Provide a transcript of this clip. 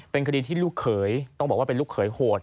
เป็นคดีที่ลูกเขยต้องบอกว่าเป็นลูกเขยโหด